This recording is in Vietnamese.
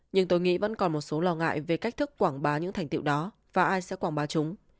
nhưng tôi nghĩ vẫn còn một số lo ngại về cách thức quảng bá những thành tiệu đó và ai sẽ quảng bá chúng